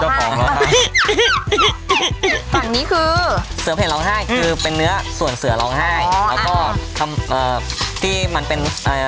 อันนี้คือก็เป็นเนื้อส่วนเสือรองไห้แล้วก็เอ่อที่มันเป็นเอ่อ